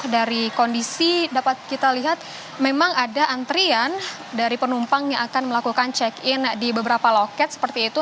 dari kondisi dapat kita lihat memang ada antrian dari penumpang yang akan melakukan check in di beberapa loket seperti itu